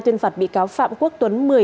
tuyên phạt bị cáo phạm quốc tuấn